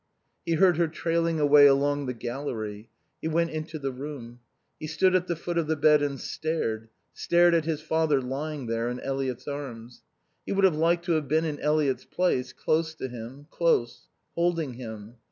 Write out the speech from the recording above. He heard her trailing away along the gallery. He went into the room. He stood at the foot of the bed and stared, stared at his father lying there in Eliot's arms. He would have liked to have been in Eliot's place, close to him, close, holding him.